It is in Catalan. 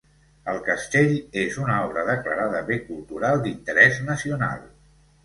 El castell és una obra declarada bé cultural d'interès nacional.